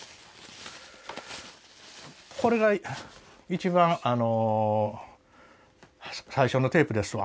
これが一番最初のテープですわ。